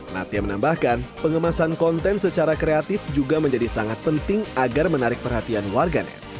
natya menambahkan pengemasan konten secara kreatif juga menjadi sangat penting agar menarik perhatian warganet